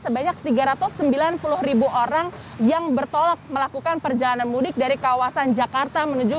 sebanyak tiga ratus sembilan puluh orang yang bertolak melakukan perjalanan mudik dari kawasan jakarta menuju